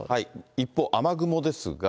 一方、雨雲ですが。